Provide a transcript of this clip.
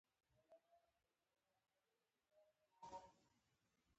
عبدالله له بهرنیو اړخونو سره یو سند لاسلیک کړ.